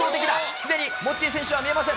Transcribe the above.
すでにモッチー選手は見えません。